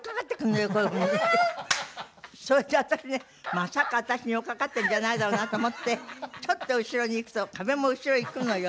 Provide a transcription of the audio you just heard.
まさか私に寄っかかってんじゃないだろうなと思ってちょっと後ろに行くと壁も後ろへ行くのよ。